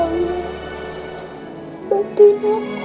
aku mau pulih ngerah